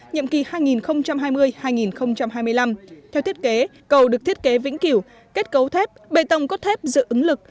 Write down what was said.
nhiệm kỳ hai nghìn hai mươi hai nghìn hai mươi năm theo thiết kế cầu được thiết kế vĩnh kiểu kết cấu thép bề tổng có thép dự ứng lực